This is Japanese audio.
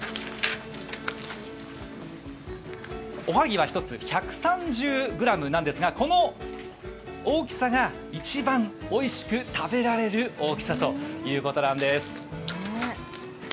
おはぎは１つ１３０ｇなんですがこの大きさが一番おいしく食べられる大きさということなんです。